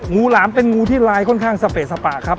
หลามเป็นงูที่ลายค่อนข้างสเปสปะครับ